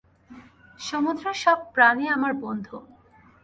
সমুদ্রের সব প্রাণী আমার বন্ধু।